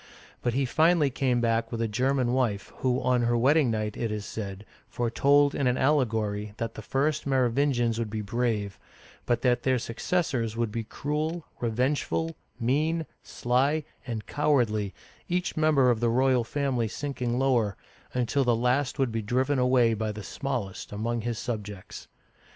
But he finally came back with a German wife, who on her wedding night, it is said, foretold in an allegory that the first Merovingians would be brave, but that their suc cessors would be cruel, revengeful, mean, sly, and cowardly, each member of the royal family sinking lower, until the last would be driven away by the smallest among his sub jects.